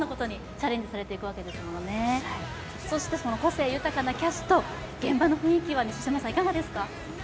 そして、個性豊かなキャスト現場の雰囲気はいかがですか。